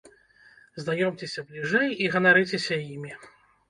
Знаёмцеся бліжэй і ганарыцеся імі!